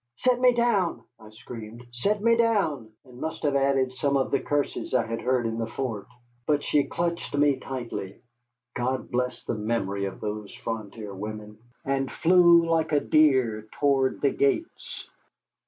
"Set me down!" I screamed, "set me down!" and must have added some of the curses I had heard in the fort. But she clutched me tightly (God bless the memory of those frontier women!), and flew like a deer toward the gates.